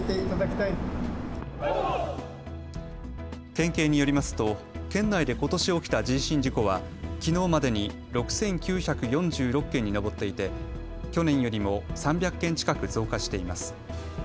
県警によりますと県内でことし起きた人身事故はきのうまでに６９４６件に上っていて去年よりも３００件近く増加しています。